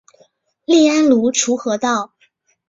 隶安庐滁和道。